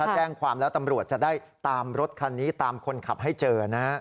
แจ้งความแล้วตำรวจจะได้ตามรถคันนี้ตามคนขับให้เจอนะฮะ